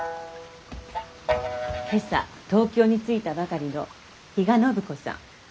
今朝東京に着いたばかりの比嘉暢子さん。